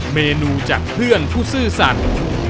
เมนูจากเครื่องผู้ซื่อสัตว์